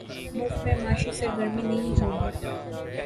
ملک میں معاشی سرگرمی نہیں ہو گی۔